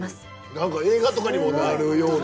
何か映画とかにもなるような。